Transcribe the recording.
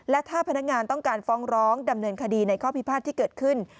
และถ้าพนักงานต้องการฟ้องร้องดำเนินคดีในข้อพิพาทที่เกิดขึ้น